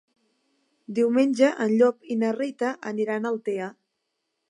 Diumenge en Llop i na Rita aniran a Altea.